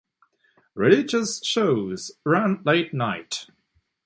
Religious shows ran late night.